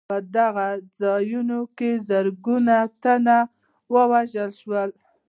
په دغو ځایونو کې زرګونه تنه ووژل شول.